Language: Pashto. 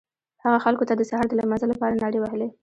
هغه خلکو ته د سهار د لمانځه لپاره نارې وهلې.